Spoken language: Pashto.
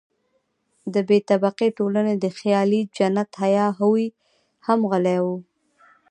د بې طبقې ټولنې د خیالي جنت هیا هوی هم غلی وو.